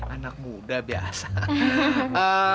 anak muda biasa